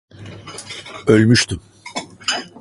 Ölmüştüm.